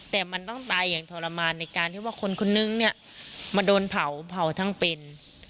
แต่มันต้องตายอย่างทรมานในการที่ว่าคนคนนึงเนี่ยมาโดนเผาเผาทั้งเป็น